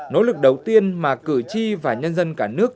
nỗ lực đầu tiên mà cử tri và nhân dân cả nước